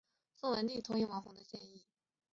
宋文帝都同意王弘的建议。